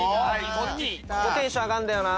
ここテンション上がるんだよな。